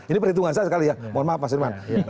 ini perhitungan saya sekali ya mohon maaf mas irman